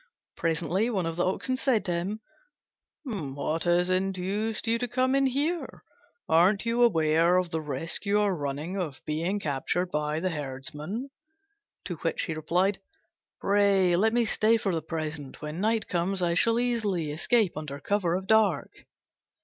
Presently one of the Oxen said to him, "What has induced you to come in here? Aren't you aware of the risk you are running of being captured by the herdsmen?" To which he replied, "Pray let me stay for the present. When night comes I shall easily escape under cover of the dark."